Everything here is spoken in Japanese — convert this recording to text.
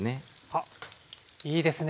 あっいいですね。